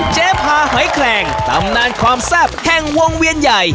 พาหอยแคลงตำนานความแซ่บแห่งวงเวียนใหญ่